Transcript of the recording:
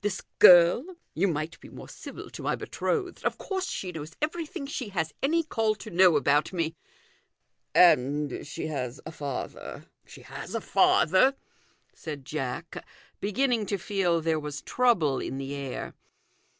" This girl ! You might be more civil to my betrothed. Of course she knows everything she has any call to know about me "" And she has a father ?"" She has a father," said Jack, beginning to feel there was trouble in the air.